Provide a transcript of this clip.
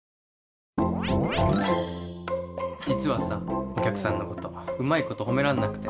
実はさお客さんのことうまいこと褒めらんなくて。